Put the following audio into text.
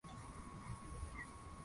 Nilishapanda ngazi hadi juu kabisa